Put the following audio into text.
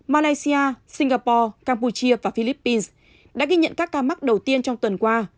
malaysia singapore campuchia và philippines đã ghi nhận các ca mắc đầu tiên trong tuần qua